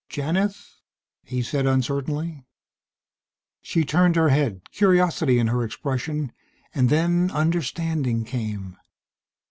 "Janith," he said uncertainly. She turned her head, curiosity in her expression, and then understanding came.